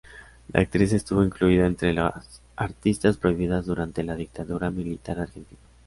La actriz estuvo incluida entre los artistas prohibidos durante la dictadura militar argentina.